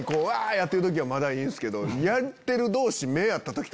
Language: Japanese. やってる時はまだいいんすけど。